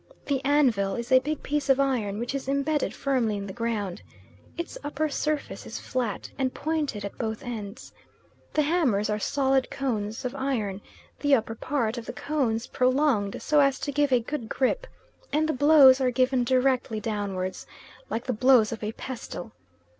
The anvil is a big piece of iron which is embedded firmly in the ground. Its upper surface is flat, and pointed at both ends. The hammers are solid cones of iron, the upper part of the cones prolonged so as to give a good grip, and the blows are given directly downwards, like the blows of a pestle.